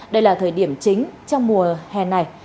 đây là thời điểm chính trong mùa hè này